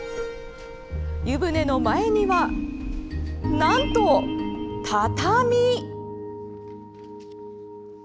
湯船の前には、なんと畳。